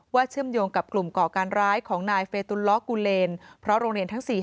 ว่าเชื่อมโยงกับกลุ่มก่อการร้ายของนายเฟตุลอทำไม